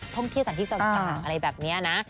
ท่องเที่ยวที่ตอนจังหรอกอะไรแบบนี้นะ